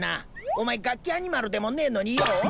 お前ガッキアニマルでもねえのによ？